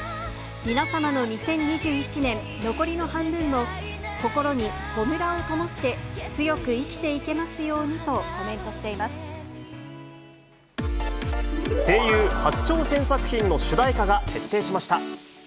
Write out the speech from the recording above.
皆様の２０２１年残りの半分も心に炎をともして、強く生きていけ声優、初挑戦作品の主題歌が決定しました。